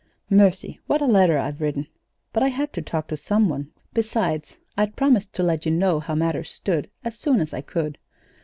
"Mercy, what a letter I've written! But I, had to talk to some one; besides, I'd promised I to let you know how matters stood as soon as I could.